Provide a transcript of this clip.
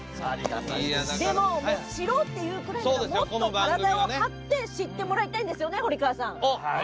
でも「シロウ」っていうぐらいだからもっと体を張って知ってもらいたいんですよね堀川さん。